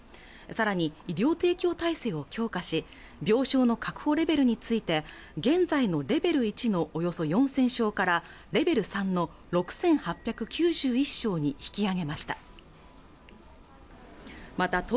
さらに医療提供体制を強化し病床の確保レベルについて現在のレベル１のおよそ４０００床からレベル３の６８９１床に引き上げました